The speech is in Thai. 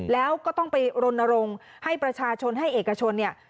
แล้วก็ต้องไปรณรงค์ให้ประชาชนให้เอกชนเนี่ย